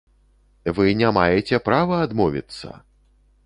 Вы не маеце права адмовіцца!